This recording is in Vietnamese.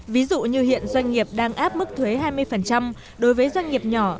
ví dụ như hiện doanh nghiệp đang áp mức thuế hai mươi đối với doanh nghiệp nhỏ